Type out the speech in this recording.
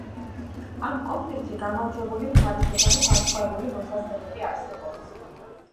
ამ კონფლიქტში გამარჯვებული მხარის შესახებ განსხვავებული მოსაზრებები არსებობს.